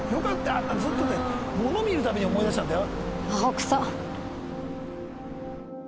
あんなずっと物見るたびに思い出したんだよ。